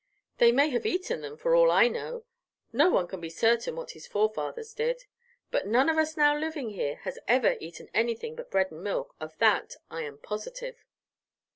They may have eaten them, for all I know; no one can be certain what his forefathers did. But none of us now living here has ever eaten anything but bread and milk, of that I am positive."